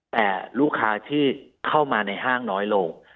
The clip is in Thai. แต่ลูกค้าที่เข้ามาในห้างน้อยลง